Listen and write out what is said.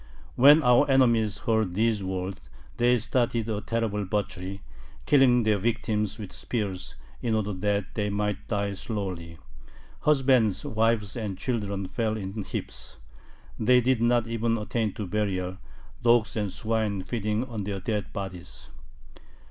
When our enemies heard these words, they started a terrible butchery, killing their victims with spears in order that they might die slowly. Husbands, wives, and children fell in heaps. They did not even attain to burial, dogs and swine feeding on their dead bodies.